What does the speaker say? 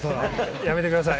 やめてください。